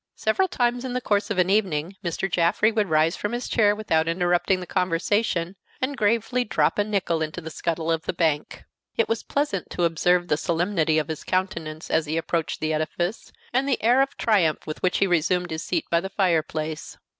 Several times in the course of an evening Mr. Jaffrey would rise from his chair without interrupting the conversation, and gravely drop a nickel into the scuttle of the bank. It was pleasant to observe the solemnity of his countenance as he approached the edifice, and the air of triumph with which he resumed his seat by the fireplace.